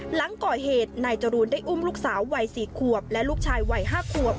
หลังก่อเหตุนายจรูนได้อุ้มลูกสาววัย๔ขวบและลูกชายวัย๕ขวบ